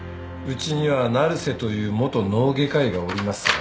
うちには成瀬という元脳外科医がおりますが。